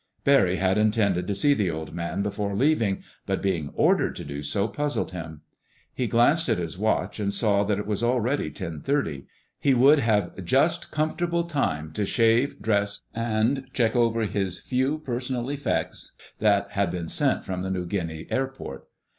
Barry had intended to see the Old Man before leaving, but being ordered to do so puzzled him. He glanced at his watch and saw that it was already ten thirty. He would have just comfortable time to shave, dress, and check over his few personal effects that had been sent from the New Guinea airport.